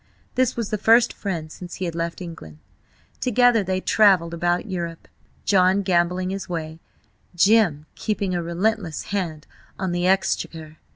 This was the first friend since he had left England. Together they travelled about Europe, John gambling his way, Jim keeping a relentless hand on the exchequer.